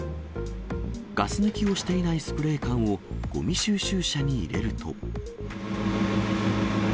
ガス抜きをしていないスプレー缶を、ごみ収集車に入れると。